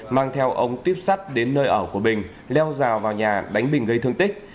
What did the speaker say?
mang theo ông tiếp sắt đến nơi ở của bình leo rào vào nhà đánh bình gây thương tích